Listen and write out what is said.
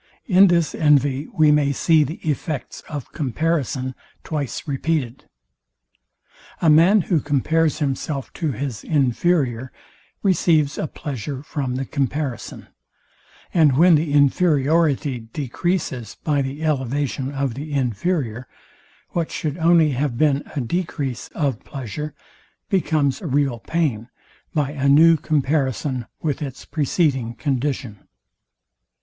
In this envy we may see the effects of comparison twice repeated. A man, who compares himself to his inferior, receives a pleasure from the comparison: And when the inferiority decreases by the elevation of the inferior, what should only have been a decrease of pleasure, becomes a real pain, by a new comparison with its preceding condition.